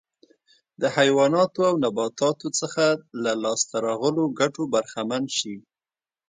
د حیواناتو او نباتاتو څخه له لاسته راغلو ګټو برخمن شي.